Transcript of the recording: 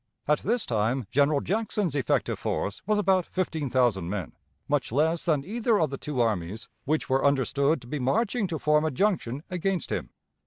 At this time General Jackson's effective force was about fifteen thousand men, much less than either of the two armies which were understood to be marching to form a junction against him.